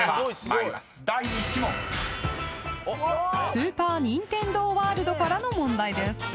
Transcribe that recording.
［スーパー・ニンテンドー・ワールドからの問題です］